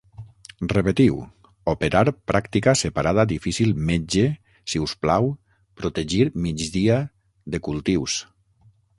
Repetiu: operar, pràctica, separada, difícil, metge, si us plau, protegir, migdia, de cultius